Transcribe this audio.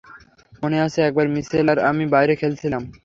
মনে আছে একবার মিশেল আর আমি বাইরে খেলছিলাম।